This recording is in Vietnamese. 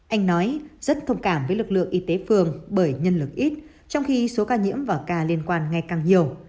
anh nói rất thông cảm với lực lượng y tế phường bởi nhân lực ít trong khi số ca nhiễm và ca liên quan ngày càng nhiều